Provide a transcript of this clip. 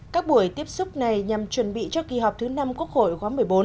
các buổi tiếp xúc này nhằm chuẩn bị cho kỳ họp thứ năm quốc hội khóa một mươi bốn